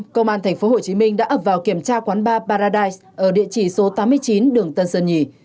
công an tp hcm đã ập vào kiểm tra quán ba paradise ở địa chỉ số tám mươi chín đường tân sơn nhì